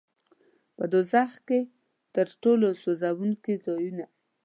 په دوزخ کې تر ټولو سوځوونکي ځایونه.